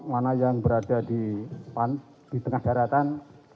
mana yang berada di tengah daratan